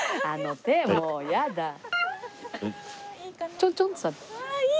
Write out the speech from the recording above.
あの手もうやだ。